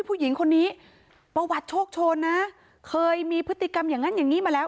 ผู้หญิงคนนี้ประวัติโชคโชนนะเคยมีพฤติกรรมอย่างนั้นอย่างนี้มาแล้ว